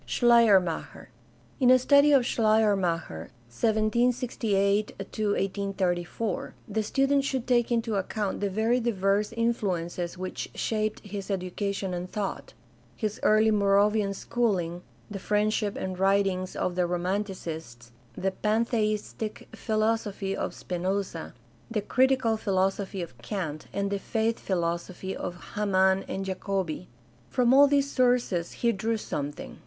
Schleiermacher. — In a study of Schleiermacher (i 768 1834) the student should take into account the very diverse influ ences which shaped his education and thought — his early Moravian schooling, the friendship and writings of the Romanticists, the Pantheistic philosophy of Spinoza, the critical philosophy of Kant, and the faith philosophy of Hamann and Jacobi. From all these sources he drew some thing.